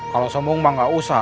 kalau sombong mang gak usah